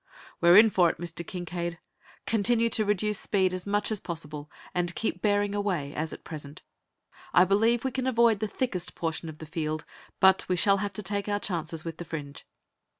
"We're in for it, Mr. Kincaide. Continue to reduce speed as much as possible, and keep bearing away, as at present. I believe we can avoid the thickest portion of the field, but we shall have to take our chances with the fringe."